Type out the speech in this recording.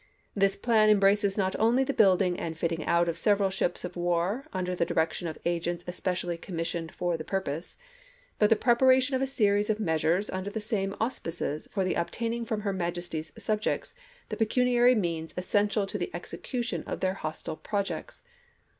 This plan em braces not only the building and fitting out of several ships of war under the direction of agents especially commissioned for the purpose, but the preparation of a series of measures under the same auspices for the obtaining from her Majesty's subjects the pecuniary means essential to the execution of these hostile projects."